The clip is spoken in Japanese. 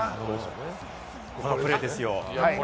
このプレーですよ。